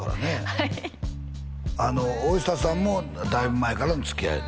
はいあの大下さんもだいぶ前からのつきあい？